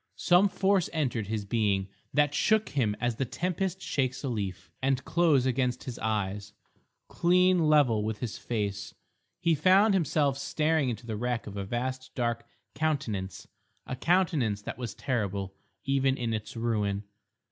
Some force entered his being that shook him as the tempest shakes a leaf, and close against his eyes—clean level with his face—he found himself staring into the wreck of a vast dark Countenance, a countenance that was terrible even in its ruin.